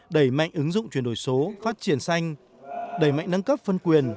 đẩy mạnh ứng dụng chuyển đổi số phát triển xanh đẩy mạnh nâng cấp phân quyền